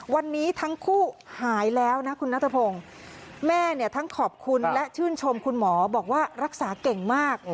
วันนี้ทั้งคู่หายแล้วนะคุณนัทพงศ์แม่เนี่ยทั้งขอบคุณและชื่นชมคุณหมอบอกว่ารักษาเก่งมาก